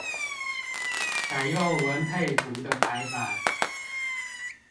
採用文配圖的排版